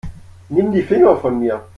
Nimm die Finger von mir.